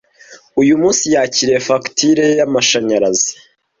Uyu munsi yakiriye fagitire y'amashanyarazi.